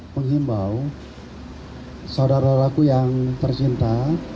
menghimbau saudara saudaraku yang tercinta